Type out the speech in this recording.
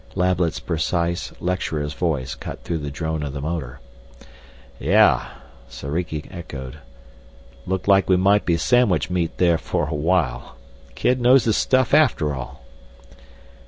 Lablet's precise, lecturer's voice cut through the drone of the motor. "Yeah," Soriki echoed, "looked like we might be sandwich meat there for a while. The kid knows his stuff after all."